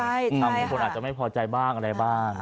ทำให้คนอาจจะไม่พอใจบ้างอะไรบ้าง